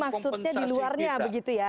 maksudnya di luarnya begitu ya